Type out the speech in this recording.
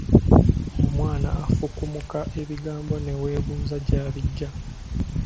Omwana afukumuka ebigambo ne weebuuza gy’abijja.